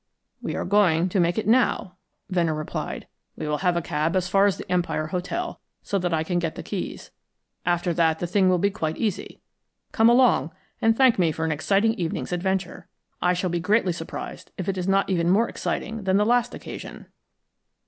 "We are going to make it now," Venner replied. "We will have a cab as far as the Empire Hotel, so that I can get the keys. After that, the thing will be quite easy. Come along, and thank me for an exciting evening's adventure. I shall be greatly surprised if it is not even more exciting than the last occasion."